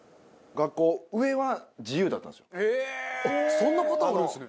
そんなパターンあるんですね。